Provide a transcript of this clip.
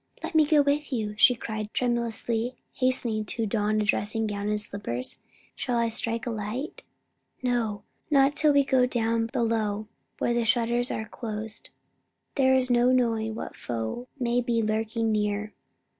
"Let me go with you!" she cried tremulously, hastening to don dressing gown and slippers. "Shall I strike a light?" "No, not till we go down below where the shutters are closed. There is no knowing what foe may be lurking near."